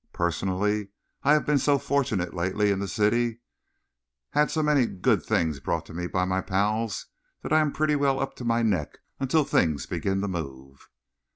Personally, I have been so fortunate lately in the City, had so many good things brought to me by my pals, that I am pretty well up to the neck until things begin to move."